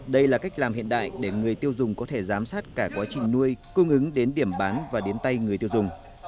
đây là cách làm hiện đại để người tiêu dùng có thể giám sát cả quá trình nuôi cung ứng đến điểm bán và đến tay người tiêu dùng